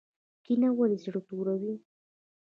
کینه ولې زړه توروي؟